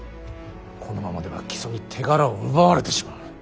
このままでは木曽に手柄を奪われてしまう。